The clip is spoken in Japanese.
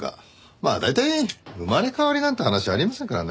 まあ大体生まれ変わりなんて話あり得ませんからね。